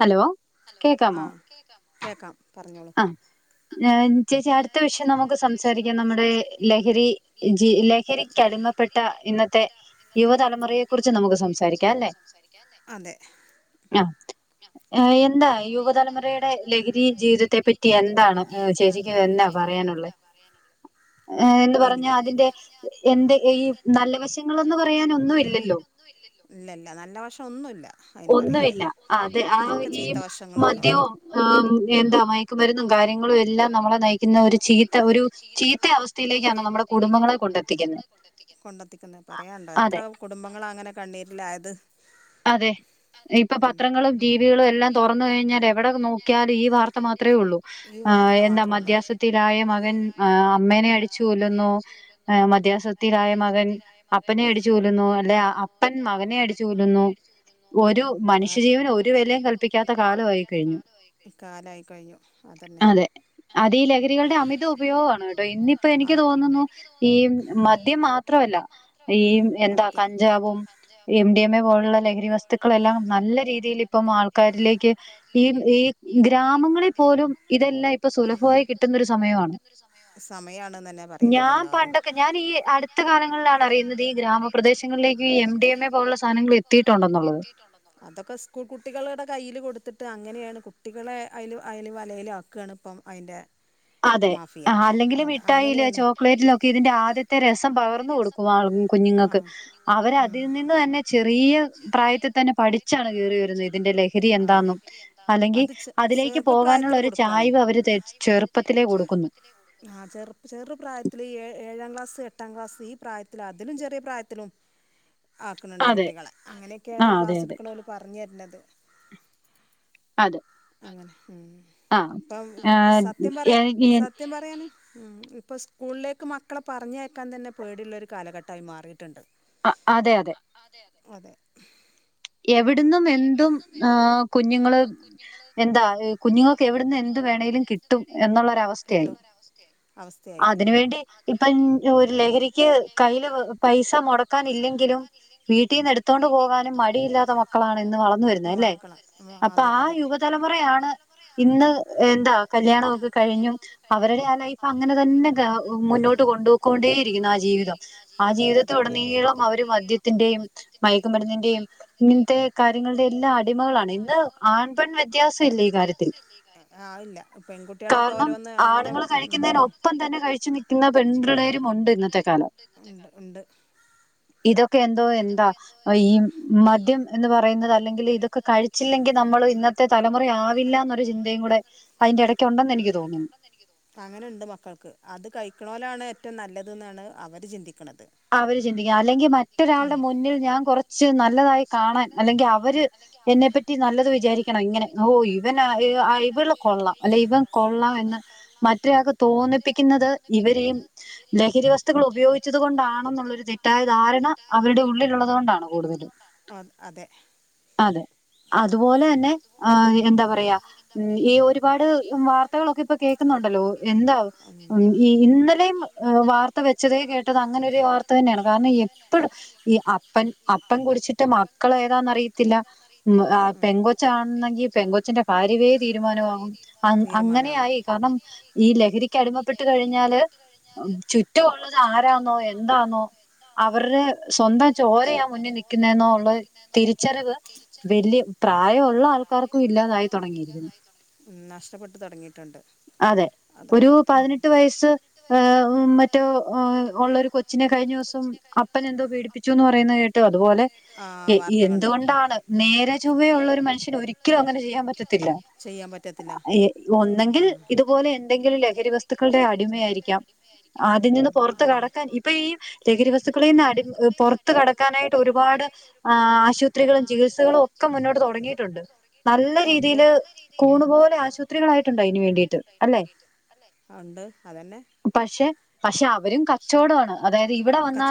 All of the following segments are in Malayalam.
ഹലോ കേക്കാമോ കേക്കാം പറഞ്ഞോളൂ ഞാൻ ചേച്ചി അടുത്ത വിഷയം നമുക്ക് സംസാരിക്കാം നമ്മുടെ ലഹരി ജ ലഹക്ക്ടിമപ്പെട്ട ഇന്നത്തെ യുവതലമുറയെ കുറിച്ച് നമുക്ക് സംസാരിക്കാം അല്ലെ ആ എന്താ യുവതലമുറയുടെ ലഹരി ജീവിതത്തെ ടി എന്താണ് ചേച്ചി അ ചേച്ചിക് എന്താണ് പറയാനുള്ളത് എനിക്ക് എന്നുപറഞ്ഞ അതിന്റെ എന്തെങ്കി നല്ല വശങ്ങൾ എന്ന് പറയാൻ ഒന്നുമില്ലല്ലോ ഇല്ല ഇല്ല നല്ല വശം ഒന്നുമില്ല ഒന്നുമില്ല അതെ ആ ഈ മദ്യവും അമ് എന്താ മയക്കുമരുന്നും കാര്യങ്ങളും എല്ലാം നമ്മളെ കൊണ്ടെത്തിക്കുന്നത് പറയണ്ടോ എത്ര കുടുംബങ്ങള അങ്ങനെ കണ്ണിര് ല്ലായത് അതെ ഇപ്പൊ പത്രങ്ങളും ടിവികളും എല്ലാം തുറന്ന കഴിഞ്ഞാൽ എവിടെ നോക്കിയാലും ഈ വാർത്ത മാത്രമേ ഉള്ളൂ ആ എന്നാ മധ്യാസത്തിലായ മകൻ ആ അമ്മേനെ അടിച്ചച്ച് കൊല്ലുന്നു മധ്യാസത്തിലായ മകൻ അപ്പനെ അടിച്ചു കൊല്ലുന്നു അല്ലെ അപ്പൻ മകനെ അടിച്ചു കൊല്ലുന്നു കാലായിക്കഴിഞ്ഞു അതന്നെ അത് ഈ ലഹരികളുടെ അമിത ഉപയോഗമാണ് കേട്ടോ ഇന്നിപ്പോ എനിക്ക് തോന്നുന്നു ഈ മദ്യം മാത്രല്ല ഈ എന്താ കഞ്ചാവും എം ഡി എം എ പോലുള്ള രിവസ്തുക്കളെല്ലാം നല്ല രീതിൽ ഇപ്പം ആൾക്കാരിലക്ക് ഈ ഈ ഗ്രാമങ്ങളിൽ പോലും ഇതെല്ല ഇപ്പോ മായി കിട്ടുന്നൊരു സമയമാണ് ഞാൻ പണ്ടൊക്കെ ഞാൻ ഈ അടുത്ത കാലങ്ങളിലാണ് അറിയുന്നത് ഈ ഗ്രാമപ്രദേശങ്ങളിലേക്ക് ഈ എം ഡി എം എ പോലുള്ള സാധനങ്ങളൾ എ അതൊക്ക സ്കൂൾ കുട്ടികളട കയ്യില് കൊടുത്തിട്ട് അങ്ങനെയാണ് കുട്ടികളെ അയില് അയില് വലയില് ആക്കുവാണിപ്പം. അയിന്റെ അതെ അല്ലെങ്കിലു മിഠായീല് ചോക്ലേറ്റിലൊക്കെ ഇതിന്റെ ആദ്യത്തെ രസം പകർന്നുകൊടുക്കുവാണ് കുഞ്ഞുങ്ങൾക്ക് അവരതിൽ നിന്ന് തന്നെ ചെറിയ പ്രായത്തി തന്നെ പഠിച്ചാണ് കയറി വരുന്നത് ഇതിന്റെ ലഹരി എന്താന്നെന്നും അല്ലെങ്കി അതിലേക്ക് പോകാനുള്ള ഒരു ചായ്‌വു അവര് തെ ചെറു ആ ചെറുപ്പ് ചെറു പ്രായത്തിലെ ഏ ഏ ഏഴാം ക്ലാസ് എട്ടാം ക്ലാസ് ഈ പ്രായത്തിലാ അതിലും ചെറിയ പ്രായത്തിലും. ആക്കുനുണ്ട് കുട്ടികളെ അങ്ങനെയൊക്കെയാണ് ക്ലാസ് എടുക്കനോല് പറഞ്ഞുത അതെ അങ്ങനെ ഉം അപ്പം സത്യം പറയ സത്യം പറയാണ് ഉം ഇപ്പൊ സ്കൂളിലേക്ക് മക്കളെ പറഞ്ഞയക്കാൻ തന്നെ പേടിയുള്ളൊരു കാലഘട്ടമായി മാറീട്ടിണ്ട് അ അതെ അതെ അതെ ഉം എവിടന്നും എന്തും ഏഹ് കുഞ്ഞുങ്ങള് എന്താ കുഞ്ഞുങ്ങ എവിടന്ന് എന്ത് വേണേലും കിട്ടും എന്നുള്ളൊരവസ്ഥയായി അതിന് വേണ്ടി ഇപ്പൻ ഒരു ലഹരി ക്ക് കയ്യില് പൈസ മുടക്കാൻ ഇല്ലെങ്കിലും വീട്ടീന്ന് എടുത്തോണ്ട് പോകാനും മടി [unintelligible] മക്കളാണ് ഇന്ന് വളർന്നു വരുന്നേ ല്ലേ അപ്പ ആ യുവ തലമുറയാണ് ഇന്ന് ഏഹ് എന്താ കല്യാനൊക്കെ കഴിഞ്ഞും അവരുടെ ആ ലൈഫ് അങ്ങനെ തന്നെ മുന്നോട്ട് കൊണ്ടുപോക്കോണ്ടേയിരിക്കുന്ന് ആ ജീവിതം ആ ജീവിതത്തിലുടനീളം അവര് മദ്യത്തിന്റെയും മയക്കുമരുന്നിന്റെയും ഇങ്ങൻത്തെ കാര്യങ്ങളുടെ എല്ലാ അടിമകളാണ് ഇന്ന് ആൺ പെൺ വ്യത്യാസം ഇല്ല ഈ കാര്യത്തിൽ കാരണം ആണുങ്ങൾ കഴിക്കുന്നതിനൊപ്പം തന്നെ കഴിച്ചു നിൽക്കുന്ന പെൺപിള്ളേരും ഉണ്ട് ഇന്നത്തെ കാലം. ഉണ്ട് ഉണ്ട് ഇതൊ ഒക്കെ എന്തോ എന്താ ഈ മദ്യം എന്ന് പറയുന്നത് അല്ലെങ്കില് ഇതൊക്കെ കഴിച്ചില്ലെങ്കിൽ നമ്മൾ ഇന്നത്തെ തലമുറ ആവില്ലാന്നൊരു ചിന്തയും കൂടെ അതിന്റെ ഇടക്കുണ്ടെന്ന് എനിക്ക് തോന്നുന്നു. ആണ് ഏറ്റവും നല്ലത് ന്നാണ് അവര് ചിന്തി അവര് ചിന്തിക്കാ അല്ലെങ്കിൽ മ മറ്റൊരാളുടെ മുന്നിൽ ഞാൻ കുറച്ച് നല്ലതായി കാണാൻ അല്ലെങ്കിൽ അവര് എന്നെപ്പറ്റി നല്ലത് വിചാരിക്കണം ഇങ്ങനെ ഓ ഇവൻ ആഗ് ഇവൾ കൊള്ളാം അല്ലെങ്കി ഇവൻ കൊള്ളാം എന്ന് മറ്റൊരാൾക്ക് തോന്നിപ്പിക്കുന്നത് ഇവരെയും ലഹരി വസ്തുക്കൾ ഉപയോഗിച്ചത് കൊണ്ടാ ന്നുള്ളൊരു തെറ്റായ ധാര ആ അവരുടെ ഉള്ളിലുള്ളത് കൊണ്ടാണ് കൂടുതലും അതെ അതുപോലെ തന്നെ ആഹ് എന്താ പറയാ ഉം ഈ ഒരുപാട് വാർത്തകളൊക്കെ ഇപ്പൊ കേൾക്കുന്നുണ്ടല്ലോ എന്താ ഉം ഈ ഇന്നലെയും വാർത്ത വെച്ചതേ കേട്ടത് അങ്ങനെ ഈ വാർത്ത തന്നെയാണ് കാരണം എം- ഈ അപ്പൻ അപ്പൻ കുഴിച്ചിട്ട മക്കൾ ഏതാന്ന് അറിയത്തില്ല പെൺകൊച്ചാണെന്നെങ്കിൽ പെങ്കൊച്ചിന്റെ കാര്യവേ തീരുമാനമാകും അങ്ങ അങ്ങനെയ ആയി കാരണം ഈ ലഹരിക്ക് അടിമപ്പെട്ടു കഴിഞ്ഞാല് ചുറ്റുമുള്ളത് ആരാണോ എൻ ആ അവരുടെ സ്വന്തം ചോരെയാ മുന്നിൽ നിൽക്കുന്നെന്നോ ഉള്ള തിരിച്ചറിവ് വലിയ പ്രായമുള്ള ആൾക്കാർക്കും ഇല്ലാതായി തുടങ്ങി അതെ ഒരു പതിനെട്ട് വയസ്സ് ഏ ഉം മറ്റോ ഉള്ളരു കഴിഞ്ഞ ദിവസം ആ അപ്പൻ എന്തോ പീഡപ്പിച്ചുന്ന് പറയുന്നത് കേട്ട് അതുപോലെ എ എന്തുകൊണ്ടാണ് നേരെ ചുവ ഉള്ള ഒരു മനുഷ്യന് ഒരിക്കലും അങ്ങനെ ചെയ്യാൻ പറ്റത്തില്ല ഒന്നെങ്കിൽ ഇതുപോലെ എന്തെങ്കിലും ലഹരി വസ്തുക്കളുടെ അടിമയായിരിക്കാം അതിൽ നിന്ന് പുറത്ത് കടക്കാൻ ഇപ്പം ഈ ലഹരി വസ്തുക്കളും പുറത്ത് കടക്കാനായിട്ട് ഒരുപാട് ആശുപത്രികളും ചികിത്സകളും ഒക്കെ മുന്നോട്ട് തുടങ്ങിയിട്ടുണ്ട് നല്ല രീതിയില് കൂണുപോലെ ആശുപത്രികളായിട്ടുണ്ട് അതിന് വേണ്ടിയിട്ട് അല്ലെ പക്ഷെ പക്ഷെ അവരും കച്ചവടമാണ് അതായിത് ഇവിടെ വന്ന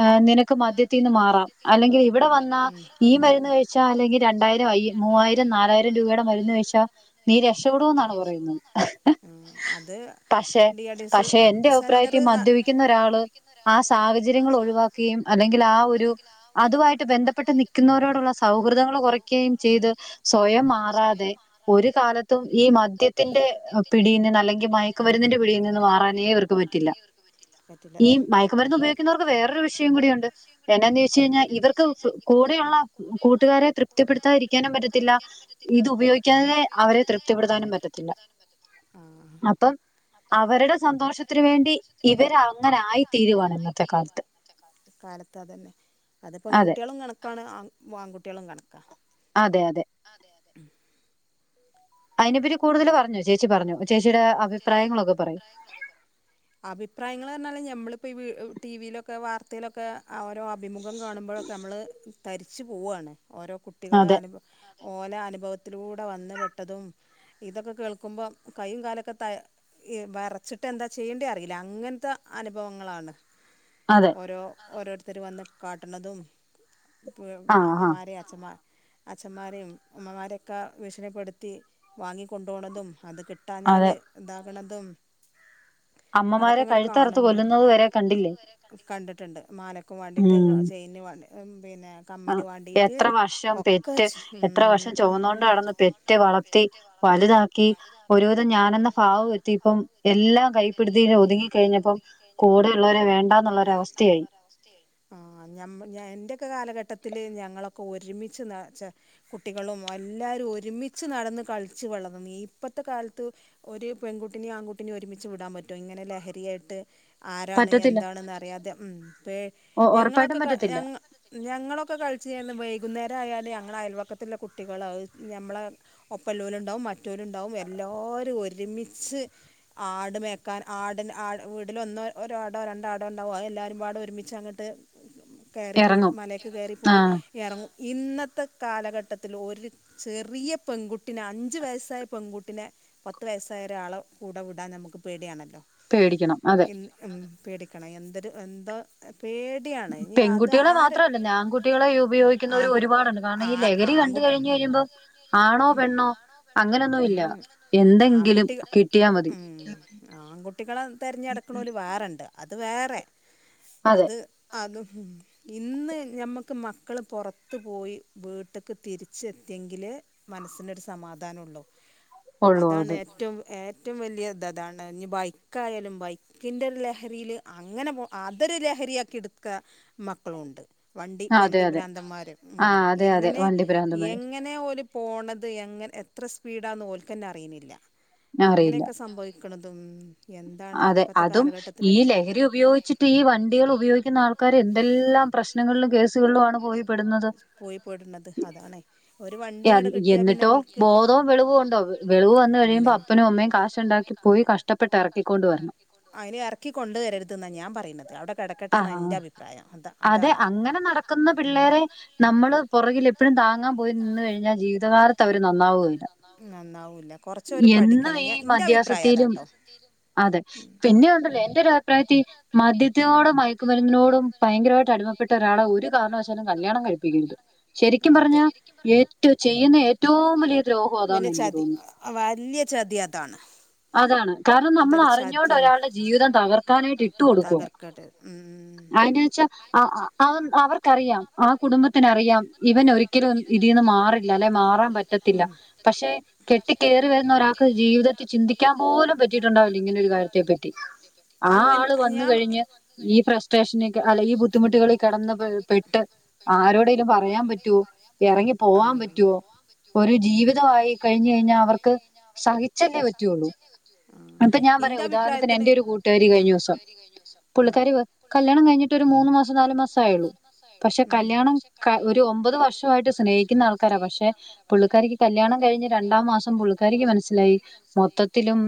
ഏഹ് നിനക്ക് മദ്യത്തിൽ നിന്ന് മാറാം അല്ലെങ്കിൽ ഇവിടെ വന്നാ ഈ മരുന്ന് കഴിച്ചാ അല്ലെങ്കിൽ രണ്ടായിരം ആയി മൂവായിരം നാലായിരം രൂപയുടെ മരുന്ന് കഴിച്ചാ നീ രക്ഷപ്പെടൂന്നാണ് പറയുന്നത് പക്ഷെ പക്ഷെ എന്റെ അഭിപ്രായത്തിൽ മദ്യപിക്കുന്ന ഒരാള് ആ സ പറ്റില്ല മയക്കുമരുന്ന് ഉപയോ ഉപയോഗിക്കുന്നോർക്ക് വേറൊരു വിഷയം കൂടിയുണ്ട് എന്നാന്ന് ചോച്ച് കഴിഞ്ഞാൽ ഇവർക്ക് കൂടെയുള്ള കൂട്ടുകാരെ തൃപ്തിപ്പെടുത്താതിരിക്കാനും പറ്റത്തില്ല ഇത് ഉപയോഗിക്കാതെ അവരെ തൃപ്തിപ്പെടുത്താനും പറ്റത്തില്ല അപ്പം അവരുടെ സന്തോഷത്തിന് വേണ്ടി ഇവർ അങ്ങനായി തീരുവാനാങ്ങ കാലത്ത് അതന്നെ അത് പെൺകുട്ടികളും കണക്കാണ് ആ ആൺകുട്ടികളും കണ [unintelligible] അതെ അതെ അയിനെപ്പറ്റി കൂടുതൽ പറഞ്ഞോ ചേ അഭിപ്രായങ്ങൾ പറഞ്ഞാല്ല് ഞമ്മളിപ്പോ ഈ ടി വി യിലൊക്കെ വാർത്തയിലൊക്കെ ഓരോ അഭിമുഖം കാണുമ്പോഴൊക്കെ നമ്മൾ തരിച്ചു പോവാണ് ഓരോ കുട്ടികള് അനുഭ ഓല അനുഭവത്തിലൂടെ വന്നു പെട്ടതും ഇതൊക്കെ കേൾക്കുമ്പൾ കൈയും കാലുമൊക്കെ ത വേറെച്ചിട്ട് എന്താ ചെയ്യേണ്ടി അറിയില്ല അങ്ങനത്തെ അനുഭവങ്ങളാണ് ഓരോ ഓരോരുത്തർ വന്ന് കാട്ടണതും ഇ അമ്മമാരെ അച്ഛമാ അച്ഛന്മാരെയും അമ്മമാരെയൊക്കെ ഭീഷണിപ്പെടുത്തി വാങ്ങി കൊണ്ടുപോണതും അത് കിട്ടി ട്ടാ ഞാല് എന്താ ണതും അതൊക്കെ അങ്ങോട്ട് കാണുമ്പളെ കണ്ടിട്ടുണ്ട് മാലക്കും വാണ്ടിട്ട് അഹ് ചെയിന് വാണ്ടി [unintelligible] അഹ് എത്ര വർഷം പെറ്റ് എത്ര വർഷം ചുവന്നോണ്ട് നടന്ന് പെറ്റ് വളർത്തി വലുതാക്കി ഒരു ഒരുവിധം ഞാനെന്ന ഭാവം എത്തിപ്പം എല്ലാം കൈപ്പിടുത്തിയില് ഒതുങ്ങി കഴിഞ്ഞപ്പോ കൂടെഉള്ളവരെ വേണ്ടന്നുളൊരസ്ഥയായി ആഹ് ഞമ്മ എന്റെയൊക്കെ കലാഘ കൂട്ടത്തില് ഞങ്ങളൊക്കെ ഒരുമിച്ച് ന ച്ചെ കുട്ടികളും എല്ലാരും ഒരുമിച്ച് നടന്ന് കളിച്ച് വളന്ന നീ ഇപ്പത് ത്ത കാലത്ത് ഒരു പെങ്കുട്ടിനേം ആങ്കുട്ടിനേം ഒരുമിച്ച് വിടാൻ പറ്റോ ഇങ്ങനെ ലഹരിയായിട്ട് ആരാണ് എന്താണെന്ന് അറിയാതെ ഉം പേ ഞങ്ങളൊക്കെ ക എഹ് ഞങ്ങ ഞങ്ങളൊക്കെ കളിച്ചിരുന്ന വൈകുന്നേര ഏതായാല് ഞങ്ങളെ അയൽവക്കത്തുള്ള കുട്ടികള് അത് ഞമ്മളെ ഒപ്പള്ളോൽ ഇണ്ടാവും മറ്റോലുണ്ടാവും എല്ലാവരും ഒരുമിച്ച് ആട് മേക്കാൻ ആടിന് ആട് വീട്ടിലൊന്നോ ഒരാടോ രണ്ടാടോ ഉണ്ടാവും അയ്‌ എല്ലാരുംപാട് ഒരുമിച്ച് അങ്ങട്ട് കേറിപ്പോയിട്ട് മലേക്ക് കേറിപ്പോയി എറങ്ങും. ഇന്നത്തെ കാലഘട്ടത്തിൽ ഒരു ചെറിയ പെങ്കുട്ടിന അഞ്ച് വയസ്സായ പെങ്കു പിന്നെ പത്ത് വയസ്സായ ഒരാള കൂടെ വിടാൻ നമുക്ക് പേടിയണല് ഇൻ ഉം പേടി ക്കണ എന്തര് എന്തോ ഉം പെൺകുട്ടികളെ മാത്രമല്ലന്നെ അങ്കുട്ടികളെ ഉപയോഗിക്കുന്നവര് ഒരുപാടുണ്ട് കാരണം ഈ ലഹരി കണ്ട് കഴിഞ് കഴിയുമ്പം ആണോ പെണ്ണോ അങ്ങനൊന്നും ഇൽ ഉം അഹ് ആങ്കുട്ടിക ഉം ആങ്കുട്ടികളെ തെരഞ്ഞുനടക്കണോല് വേറോണ്ട് അത് വേറെ അത് അതും ഉം ഇന്ന് ഞമ്മുക്ക് മക്കള് പുറത്ത് പോയി വീട്ടിക്ക് തിരിച്ചെത്തിയെങ്കിലെ മനസ്സിനൊരു സമാധാനം ഉള്ളു അതാണ് ഏറ്റവും ഏറ്റ് ഏറ്റവും വലിയ ദദാണ് ഇഞ്ഞി ബൈക്കായാലും ബൈക്കിൻ്റെ ലഹരിയില് അങ്ങനെ പോ അതൊരു ലഹരിയാക്കി എടുക്ക മക്കളുണ്ട് വണ്ടി വണ്ടിഭ്രാന്തന്മാര് ഉം എങ്ങനെ എങ്ങനെ ഓല് പോണത് എങ്ങനെ എത്ര സ് പീഡാന്ന് ഓൽക്കന്നെ അറിയനില്ല അങ്ങനെക്കെ സംഭവി ക്കണതും [unintelligible] ഉം അതെ അതും ഈ ലഹരി ഉപയോഗിച്ചിട്ട് ഈ വണ്ടികൾ ഉപയോഗിക്കുന്ന ആൾക്കാര് എന്തെല്ലാം പ്രശ്നങ്ങളിലും കേസുകളിലു ആണ് പോയിപ്പെടുന്നത് [unintelligible] എന്നിട്ടോ ബോധോ വെളിവുവോണ്ടോ വെളിവ് വന്നു കഴിയുമ്പോ അപ്പനും അമ്മയും കാശുണ്ടാക്കി പോയി കഷ്ടപ്പെടട്ടെറ കഷ്ട്ടപ്പെട്ട് എറക്കികൊണ്ടുവന്ന് അയിന് എറക്കി കൊണ്ട് വരരുത് എന്നാ ഞാൻ പറയണത് അവിടെ കിടക്കട്ടേന്ന എന്റെ അഭിപ്രായം അ അതാണ് അതെ അങ്ങനെ നടക്കുന്ന പിള്ളേരെ പോറകിൽ എപ്പോഴും താങ്ങാ പോയി നിന്ന് കഴിഞ്ഞാൽ ജീവിതകാലത്ത് അവർ നന്നാവുകോയി നന്നാവൂല്ല കൊറച്ചോര് പഠിക്കണം ഞൻ എന്റെ അഭിപ്രായം അതാട്ടോ അതെ പിന്നെ ഉണ്ടല്ലോ എന്റെ ഒരു അഭിപ്രായത്തി മദ്യത്തിനോടും മയക്കുമരുന്നിനോടും ഭയങ്കരമായിട്ട് അടിമപ്പെട്ട ഒരാളെ ഒരു കാരണവശാലും കല്യാണം കഴിപ്പിക്കരുത് ശരിക്കും പറഞ്ഞാ ഏറ്റോ ചെയ്യുന്ന ഏറ്റവും വലിയ ദ്രോഹവാ വലിയ ചതി വലിയ ചതി അതാണ് കാരണം നമ്മൾ അറിഞ്ഞോണ്ട് ഒരാളുടെ ജീവിതം തകർക്കാനായിട്ട് ഇട്ട് കൊടുക്കുവ അയിനാച്ചാൽ അവർക്ക് അവർക്കറിയാം ആ കുടുംബത്തിനറിയാം ഇവനൊരി ഒരിക്കലും ഇതിൽന്ന് മാറില്ല അല്ലെ മാറാൻ പറ്റത്തില്ല പക്ഷെ കെട്ടിക്കയറി വരുന്ന ഒരാൾക്ക് ജീവിതത്തിൽ ചിന്തിക്കാൻ പോലും പറ്റില്ല അറിയുന്നുണ്ടാവില്ല ഇങ്ങനെ ഒരു കാര്യത്തെ പറ്റി ആ ആള് വന്നു കഴിഞ്ഞ് ഈ ഫ്രസ്ട്രേഷന് അല്ല ഈ ബുദ്ധിമുട്ട്കളിൽ കടന്ന് പെട്ട് ആരോടെലും പറയാൻ പറ്റുമോ ഇറങ്ങി പോവാൻ പറ്റുവോ ഒരു ജീവിതം ആയി കഴിഞ്ഞു കഴിഞ്ഞാൽ അവർക്ക് സഹിച്ചല്ലേ പറ്റുള്ളൂ ഇപ്പൊ ഞാൻ പറയാം ഉദാഹരണത്തിന് എന്റെ ഒരു കൂട്ടുകാരി കഴിഞ്ഞ ദിവസം പുള്ളിക്കാരി കല്യാണം കഴിഞ്ഞിട്ട് ഒരു മൂന്ന് മാസം നാല് മാസം ആയുള്ളൂ പക്ഷെ കല്യാണം കഴിഞ്ഞ് ഒരു ഒമ്പത് വർഷമായിട്ട് സ്നേഹിക്കുന്ന ആൾക്കാരാ പക്ഷെ പുള്ളിക്കാരിക്ക് കല്യാണം കഴിഞ്ഞ് രണ്ടാം മാസം പുള്ളാരിക്ക് മനസ്സിലായി മൊത്തത്തിലും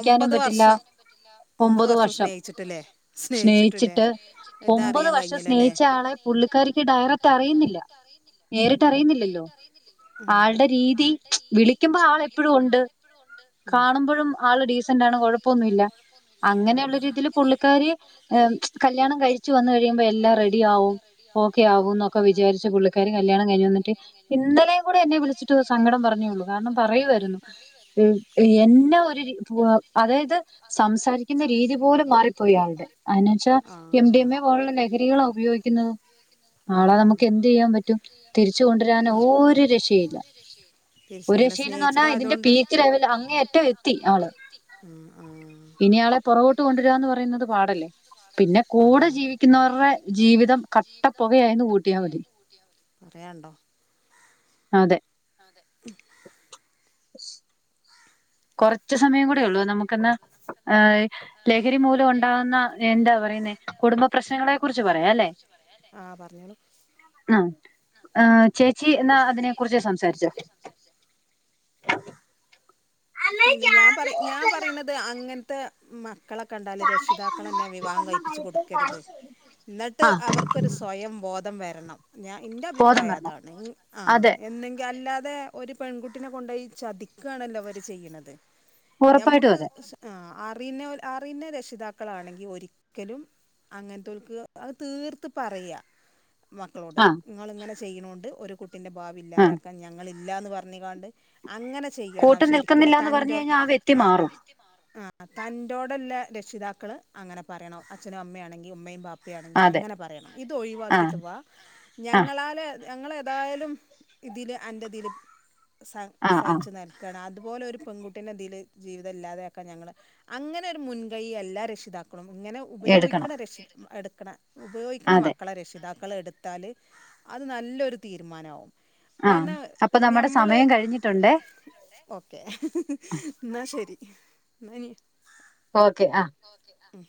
ഒമ്പത് വർഷം ഒമ്പത് വർഷം സ്നേഹിച്ചിട്ടല്ലേ സ്നേഹിച്ചിട്ട് ഒമ്പത് വർഷം സ്നേഹിച്ച ആളെ പുള്ളിക്കാരിക്ക് ഡയറക്റ്റ് അറിയുന്നില്ല നേരിട്ട് അറിയുന്നില്ലല്ലോ ആളുടെ രീതി വിളിക്കുമ്പോ ആളെപ്പോഴും ഉണ്ട് കാണുമ്പോഴും ആള് ഡീസന്റ് ആണ് കൊഴപ്പൊന്നുല്ല അങ്ങനെയുള്ള രീതിയിൽ പുള്ളിക്കാരി കല്യാണം കഴിച്ചു വന്ന കഴിയുമ്പോൾ എല്ലാം റെഡി ആവും ഓക്കെ ആകും എന്നൊക്കെ വിചാരിച്ച പുള്ളിക്കാരി കല്യാണം കഴിഞ്ഞ് വന്നിട്ട് ഇന്നലേം കൂടി എന്നെ വിളിച്ചിട്ട് സങ്കടം പറഞ്ഞേള്ളൂ കാരണം പറയുമായിരുന്നു എന്നെ ഒരു അതായത് സംസാരിക്കുന്ന രീതി പോലും മാറിപ്പോയിയാളുടെ എന്ന് വെച്ചാ എം ഡി എം എ പോലുള്ള ലഹരികളാ ഉപയോഗിക്കുന്നത് ആളാ നമുക്ക് എന്ത് ചെയ്യാൻ പറ്റും തിരിച്ചു കൊണ്ടുവരാൻ ഒരു രക്ഷയില്ല ഒരു രക്ഷയില്ലെന്നു പറഞ്ഞാ ഇതിന്റെ പീക്ക് ലെവൽ അങ്ങനെ ഇങ്ങേ അറ്റം എത്തി ആള് ഇനി ആളെ പുറകോട്ട് ഇട്ട് കൊണ്ട് വരാന്നു പറയുന്നത് പാടല്ലേ പിന്നെ കൂടെ ജീവിക്കുന്നവരുടെ ജീവിതം കട്ടപ്പുകയായിന്ന് കൂട്ടിയാൽ മതി അതെ [unintelligible] ശ്‌ക്‌ കുറച്ച് സമയം കൂടി ഉള്ളൂ നമുക്കെന്നാ ഏഹ് ആഹ് ലഹരി മൂലം ഉണ്ടാകുന്ന എന്താ പറയന്നെ കുടുംബ പ്രശ്നങ്ങളെ കുറച്ച് പറയാം അല്ലെ ആ പറഞ്ഞോളൂ ആ ചേച്ചി എന്നാ അതിനെ കുറിച്ച് സംസാരിച്ചോ പിന്നെ ഞാൻ പറയ് ഞാൻ പറയുന്നത് അങ്ങെനെ ത്തെ മാ മക്കളെ കണ്ടാൽ രക്ഷിതാക്കൾ അല്ലെ വിവാഹം കഴിപ്പിച്ച് കൊടുക്കരുത് എന്നിട്ട് അവർക്കൊരു സ്വയം ബോധ ധം വരണം ഞാൻ എന്റെ അഭിപ്രായം അതാണ് ആ എന്നെങ്കിൽ അല്ലാ അതെ ഒരു പെൺകുട്ടിനെ കൊണ്ടയി ചതിക്കുകയാണല്ലോ അവര് ചെയ്യുന്നത് നമ്മുക്ക് അറിയുന്ന അറിയുന്ന രക്ഷിതാക്കളാണെങ്കിൽ ഒരിക്കലും അങ്ങനതോർക്ക് അത് തീർത്ത് പറയ മക്കളോട് നിങ്ങളിങ്ങനെ ചെയ്യുന്നണ്ട് ഒരു കുട്ടി ഭാവി ഇല്ലാതാക്കാൻ ഞങ്ങൾ ഇല്ലന്ന് പറഞ്ഞ്ക്കാണ്ട് അങ്ങനെ ചെയ്യണം ശരിക്കും തൻന്റെ ആ ആ തന്റെടൊള്ള രക്ഷിതാക്കള് അങ്ങനെ പറയണോ അച്ഛനും അമ്മയാണെങ്കിൽ ഉമ്മയും പാപ്പയും ഓക്കേ ആണെങ്കിൽ അങ്ങനെ പറയണം ഇത് ഒഴിവാക്കിയിട്ട് വാ ഞങ്ങളാൽ ഞങ്ങളേതായാലും ഇതില് അൻറ്റതിൽ സ സഹിച്ചു നൽക്കണം അ അതുപോലെ ഒരു പെൺകുട്ടീൻതിൽ ജീവിതം മില്ലാതെയാക്കാൻ ഞങ്ങൾ അങ്ങന ഒരു മുൻകൈ എല്ലാം രക്ഷിതാക്കളും ണം ഇങ്ങനെ ഉപയോഗിക്കണ രക്ഷ എടു ക്കണ ഉപയോഗിക്കണ മക്കളെ രക്ഷിതാക്ക മക്കള എടുത്താൽ അത് നല്ലൊരു തീരുമാനമാവും ആഹ അപ്പൊ നമ്മുടെ സമയം കഴിഞ്ഞിട്ടുണ്ടേ [inaudible] എന്നാ ശരി നന ഓക്കെ ആ ഉം